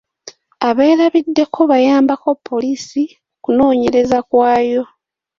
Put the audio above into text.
Abeerabiddeko bayambako poliisi kunoonyereza kwayo.